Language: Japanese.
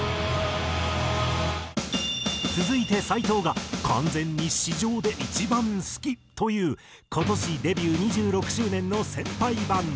続いて斎藤が完全に私情で一番好きという今年デビュー２６周年の先輩バンド。